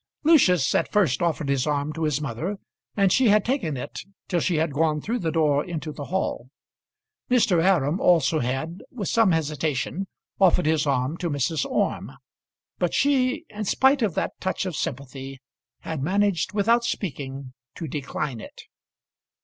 Lucius at first offered his arm to his mother, and she had taken it till she had gone through the door into the hall. Mr. Aram also had, with some hesitation, offered his arm to Mrs. Orme; but she, in spite of that touch of sympathy, had managed, without speaking, to decline it.